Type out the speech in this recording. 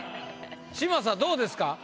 嶋佐どうですか？